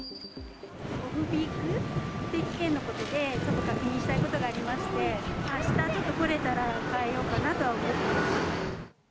オフピーク定期券のことで、ちょっと確認したいことがありまして、あしたちょっと来れたらかえようかなと思ってます。